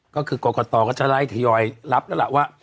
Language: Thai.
ก็คือกรกตก็จะไล่ทยอยรับแล้วล่ะว่า